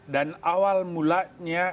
dan awal mulanya